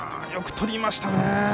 よくとりましたね。